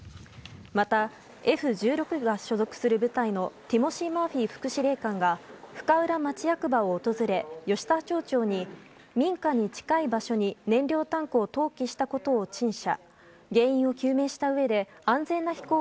また、Ｆ１６が所属する部隊のティモシー・マーフィー副司令官が深浦町役場を訪れ、吉田町長に民家に近い場所に燃料タンクを投棄したことを陳謝。